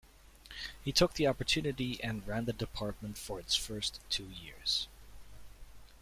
He took the opportunity and ran the department for its first two years.